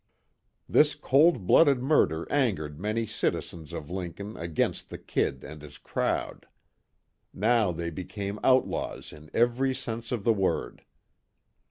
This cold blooded murder angered many citizens of Lincoln against the "Kid" and his crowd. Now they became outlaws in every sense of the word.